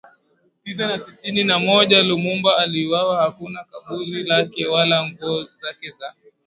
Tisa na sitini na moja Lumumba aliuwawa Hakuna kaburi lake wala nguzo zake za